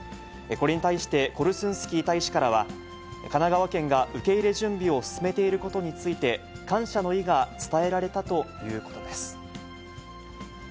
これに対して、コルスンスキー大使からは神奈川県が受け入れ準備を進めていることについて、感謝の意が伝えられたということです。